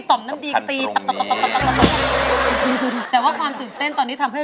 มน้ำดีตีตับแต่ว่าความตื่นเต้นตอนนี้ทำให้